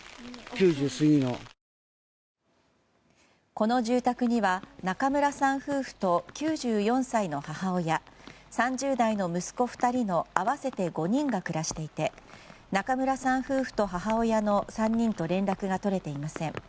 この住宅には中村さん夫婦と、９４歳の母親３０代の息子２人の合わせて５人が暮らしていて中村さん夫婦と母親の３人と連絡が取れていません。